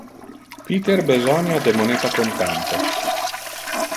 Peter besonia de moneta contante.